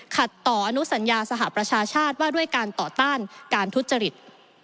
ขัดต่ออนุสัญญาสหประชาชาติว่าด้วยการต่อต้านการทุจริต